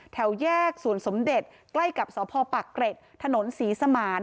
แถวแยกสวนสมเด็จใกล้กับสพปากเกร็ดถนนศรีสมาน